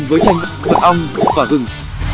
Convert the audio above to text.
với chanh mật ong và hừng